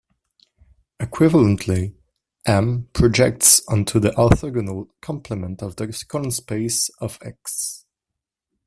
Equivalently, "M" projects onto the orthogonal complement of the column space of "X".